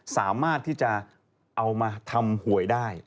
สามารถที่จะเอามาทำหวยได้